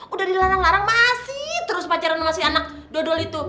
udah dilarang larang masih terus pacaran sama si anak dodol itu